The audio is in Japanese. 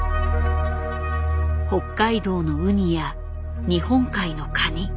北海道のウニや日本海のカニ。